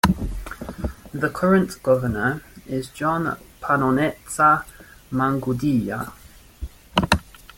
The current Governor is John Panonetsa Mangudya.